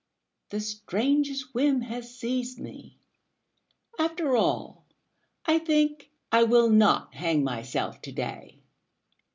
The strangest whim has seized me.... After all I think I will not hang myself to day.